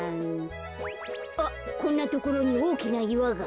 あっこんなところにおおきないわが。